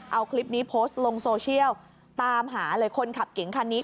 เอาคลิปนี้โพสต์ลงโซเชียลตามหาเลยคนขับเก๋งคันนี้